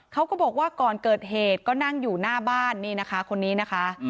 เขาก็บอกว่าก่อนเกิดเหตุก็นั่งอยู่หน้าบ้านนี่นะคะคนนี้นะคะ